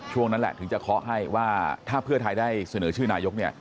ช่วงนั้นแหละถึงจะเคาะให้ว่าถ้าเพื่อไทยได้เสนอชื่อนายกเนี่ย